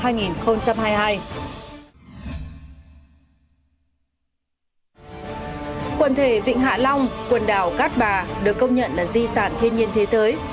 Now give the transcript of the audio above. quận thể vịnh hạ long quần đảo cát bà được công nhận là di sản thiên nhiên thế giới